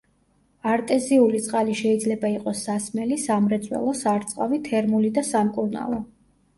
არტეზიული წყალი შეიძლება იყოს სასმელი, სამრეწველო, სარწყავი, თერმული და სამკურნალო.